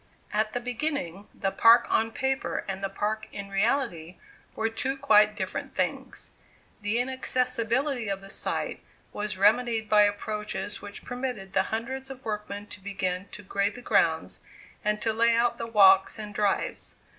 At the beginning, the park on paper and the park in reality were two quite different things. The inaccessibility of the site was remedied by approaches which permitted the hundreds of workmen to begin to grade the grounds, and to lay out the walks and drives.